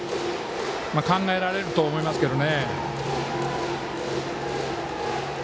考えられると思いますね。